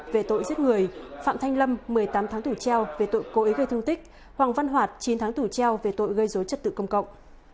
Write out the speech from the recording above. về tội cố ý gây thương tích hoàng văn hoạt chín tháng tủ treo về tội gây dối chất tự công cộng